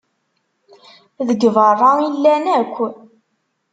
Deg beṛṛa i llan akk.